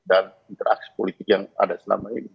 dan interaksi politik yang ada selama ini